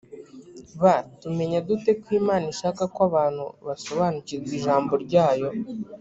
b tumenya dute ko imana ishaka ko abantu basobanukirwa ijambo ryayo